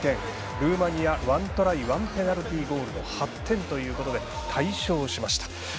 ルーマニアは１トライ１ペナルティーゴールの８点ということで大勝しました。